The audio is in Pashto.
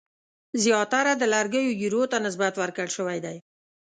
زیاتره د لرګیو ایرو ته نسبت ورکول شوی دی.